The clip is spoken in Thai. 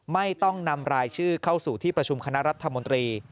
ไม่ต้องนำรายชื่อเข้าสู่ที่ประชุมคณะรัฐมนตรี